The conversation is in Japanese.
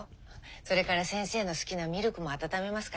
それから先生の好きなミルクも温めますから。